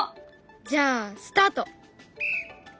じゃあスタート！